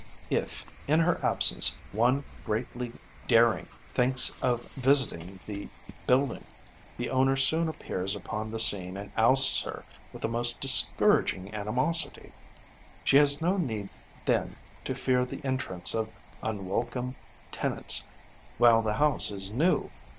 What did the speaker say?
If, in her absence, one greatly daring thinks of visiting the building, the owner soon appears upon the scene and ousts her with the most discouraging animosity. She has no need then to fear the entrance of unwelcome tenants while the house is new.